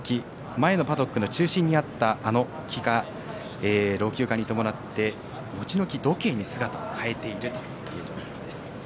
前のパドックの中心にあったあの木が老朽化に伴ってモチノキ時計に姿を変えているという状況です。